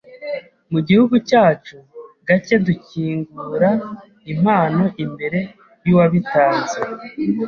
Mu gihugu cyacu gake dukingura impano imbere yuwabitanze.